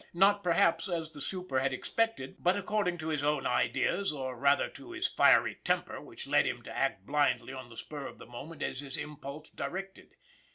Not, perhaps, as the super had expected; but according to his own ideas, or rather to his fiery temper which led him to act blindly on the spur of the moment as his impulse directed.